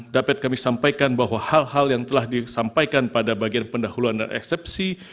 dapat kami sampaikan bahwa hal hal yang telah disampaikan pada bagian pendahuluan dan eksepsi